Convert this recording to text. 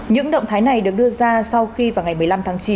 những động thái này được đưa ra sau khi vào ngày một mươi năm tháng chín